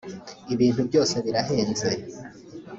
ibintu byose birahenze